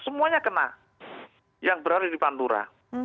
semuanya kena yang berada di pantura